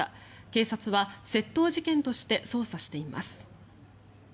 警察は窃盗事件として捜査しています。